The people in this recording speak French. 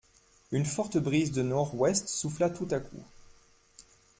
Une forte brise de nordouest souffla tout à coup.